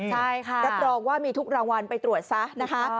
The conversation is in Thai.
และตรงว่ามีทุกรางวัลไปตรวจซะนะคะ